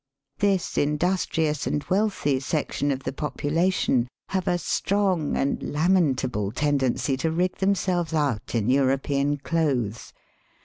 This industrious and wealthy section of the population have a strong and lamentable tendency to rig them selves out in European clothes.